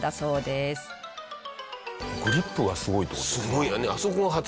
グリップがすごいって事ですか？